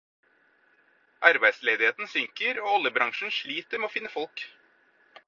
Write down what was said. Arbeidsledigheten synker, og oljebransjen sliter med å finne folk.